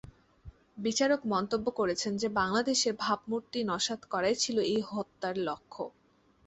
বিচারক মন্তব্য করেছেন যে বাংলাদেশের ভাবমূর্তি নস্যাৎ করাই ছিল এই হত্যার লক্ষ্য।